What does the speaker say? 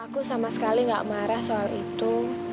aku sama sekali gak marah soal itu